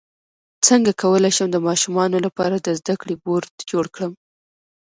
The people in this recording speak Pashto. څنګه کولی شم د ماشومانو لپاره د زده کړې بورډ جوړ کړم